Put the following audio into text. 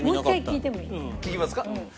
聴きますか？